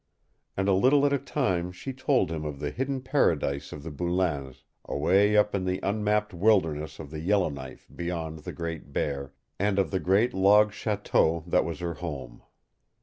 And a little at a time she told him of the hidden paradise of the Boulains away up in the unmapped wildernesses of the Yellowknife beyond the Great Bear, and of the great log chateau that was her home.